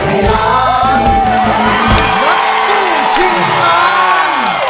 นักสู้ชินงาน